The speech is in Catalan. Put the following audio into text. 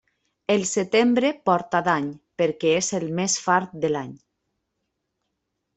El setembre porta dany perquè és el més fart de l'any.